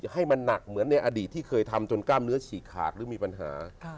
ให้มันหนักเหมือนในอดีตที่เคยทำจนกล้ามเนื้อฉีกขาดหรือมีปัญหา